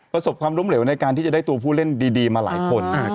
ประสบความล้มเหลวในการที่จะได้ตัวผู้เล่นดีมาหลายคน